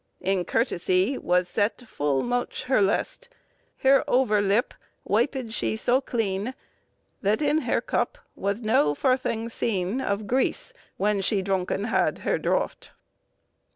In curtesie was sette ful moche hire lest. Hire over lippe wiped she so clene, That in hire cuppe was no ferthing sene, Of grese, whan she dronken hadde hire draught."